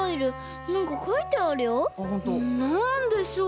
なんでしょう？